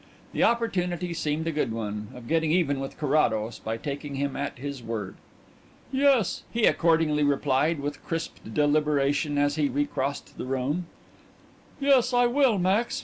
The opportunity seemed a good one of getting even with Carrados by taking him at his word. "Yes," he accordingly replied, with crisp deliberation, as he recrossed the room; "yes, I will, Max.